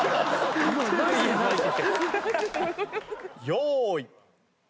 用意。